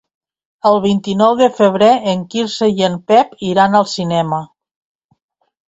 El vint-i-nou de febrer en Quirze i en Pep iran al cinema.